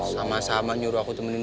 sama sama nyuruh aku temenin